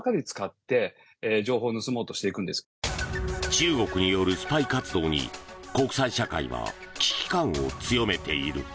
中国によるスパイ活動に国際社会は危機感を強めている。